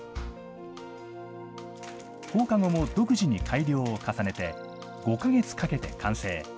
放課後も独自に改良を重ねて、５か月かけて完成。